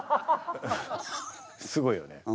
すごいよね。